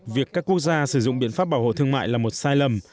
việc các quốc gia sử dụng biện pháp bảo hộ thương mại là một sai lầm